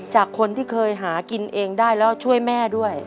จากคนที่เคยหากินเองได้แล้วช่วยแม่ด้วย